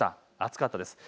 暑かったです。